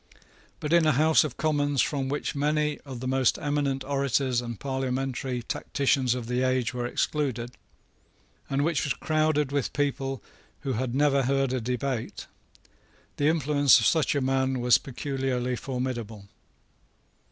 But in a House of Commons from which many of the most eminent orators and parliamentary tacticians of the age were excluded, and which was crowded with people who had never heard a debate, the influence of such a man was peculiarly formidable.